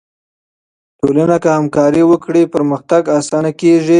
ټولنه که همکاري وکړي، پرمختګ آسانه کیږي.